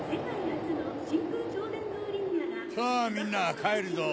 さぁみんな帰るぞ。